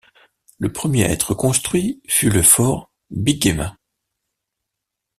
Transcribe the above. Le premier à être construit fut le fort Bingemma.